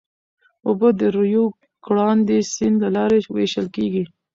اوبه د ریو ګرانډې سیند له لارې وېشل کېږي.